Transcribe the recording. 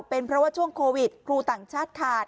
เป็นเพราะว่าช่วงโควิดครูต่างชาติขาด